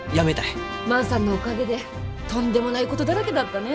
万さんのおかげでとんでもないことだらけだったね。